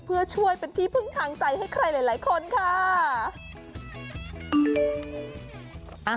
เพื่อช่วยเป็นที่พึ่งทางใจให้ใครหลายคนค่ะ